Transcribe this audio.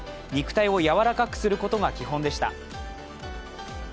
肉体を柔らかくすることが基本でした。